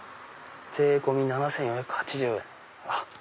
税込み７４８０円。